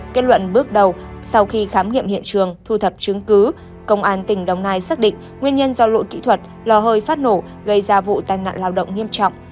kết luận bước đầu sau khi khám nghiệm hiện trường thu thập chứng cứ công an tỉnh đồng nai xác định nguyên nhân do lỗi kỹ thuật lò hơi phát nổ gây ra vụ tai nạn lao động nghiêm trọng